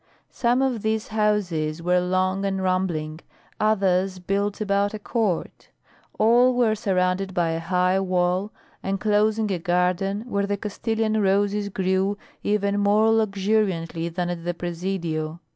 Some of these houses were long and rambling, others built about a court; all were surrounded by a high wall, enclosing a garden where the Castilian roses grew even more luxuriantly than at the Presidio.